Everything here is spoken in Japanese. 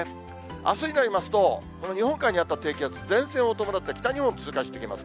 あすになりますと、この日本海にあった低気圧、前線を伴って北日本を通過していきます。